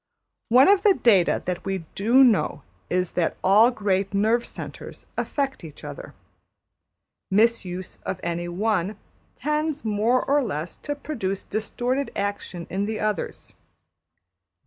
One of the data that we do know is that all great nerve centres affect each other. Mis use of any one tends more or less to produce distorted action in the others.